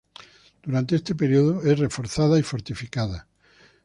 Durante este período es reforzada y fortificada.